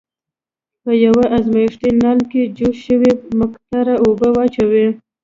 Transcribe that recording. په یوه ازمیښتي نل کې جوش شوې مقطرې اوبه واچوئ.